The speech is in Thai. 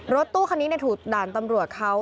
รถตู้คันนี้ถูกด่านตำรวจเขา